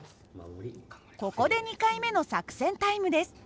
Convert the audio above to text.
ここで２回目の作戦タイムです。